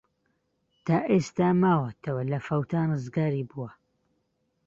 تا ئێستە ماوەتەوە و لە فەوتان ڕزگاری بووە.